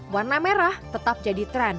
warna merah tetap jadi tren